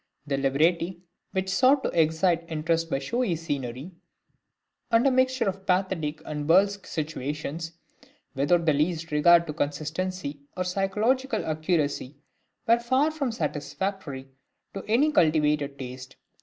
The libretti, which sought to excite interest by showy scenery, and a mixture of pathetic and burlesque situations, without the least regard to consistency or psychological accuracy, were far from satisfactory to any cultivated taste.